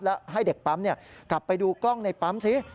แล้วให้เด็กปั๊มกลับไปดูกล้องในปั๊มสิ